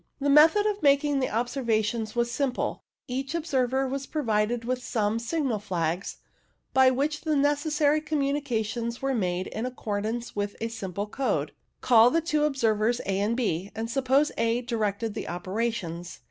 The method of making the observations was simple. Each observer was provided with some signal flags, by which the necessary communica tions were made in accordance with a simple code. Call the two observers A and B, and suppose A directed the operations.